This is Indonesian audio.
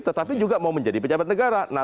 tetapi juga mau menjadi pejabat negara